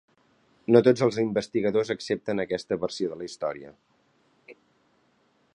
No tots els investigadors accepten aquesta versió de la història.